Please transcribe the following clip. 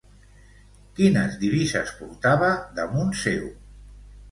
Quines divises portava damunt seu?